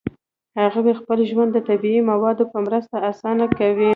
هغوی خپل ژوند د طبیعي موادو په مرسته اسانه کاوه.